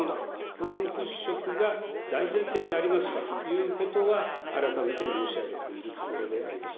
不安払拭が大前提でありますということは、改めて申し上げているところであります。